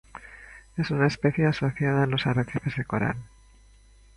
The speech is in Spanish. Es una especie asociada a los arrecifes de coral.